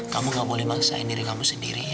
kamu gak boleh mengaksain diri kamu sendiri ya